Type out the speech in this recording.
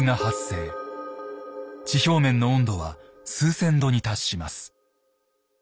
地表面の温度は数千度に達します。